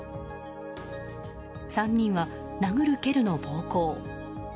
３人は殴る蹴るの暴行。